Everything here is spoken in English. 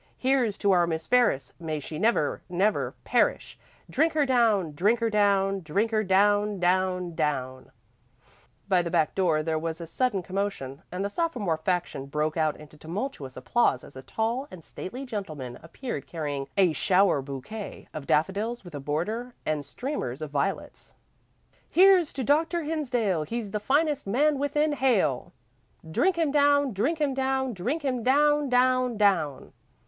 Here's to our Miss Ferris, may she never, never perish! Drink her down, drink her down, drink her down, down, down!" Back by the door there was a sudden commotion, and the sophomore faction broke out into tumultuous applause as a tall and stately gentleman appeared carrying a "shower bouquet" of daffodils with a border and streamers of violets. "Here's to Dr. Hinsdale, he's the finest man within hail! Drink him down, drink him down, drink him down, down, down!"